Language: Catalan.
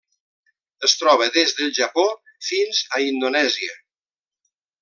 Es troba des del Japó fins a Indonèsia.